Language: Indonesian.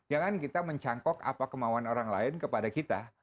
jangan kita mencangkok apa kemauan orang lain kepada kita